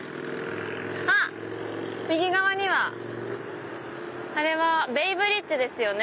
あっ右側にはあれはベイブリッジですよね。